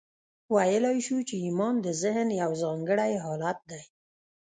ویلای شو چې ایمان د ذهن یو ځانګړی حالت دی